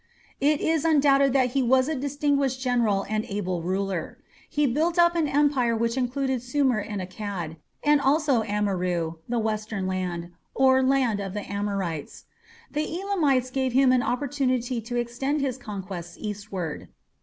It is undoubted that he was a distinguished general and able ruler. He built up an empire which included Sumer and Akkad, and also Amurru, "the western land", or "land of the Amorites". The Elamites gave him an opportunity to extend his conquests eastward.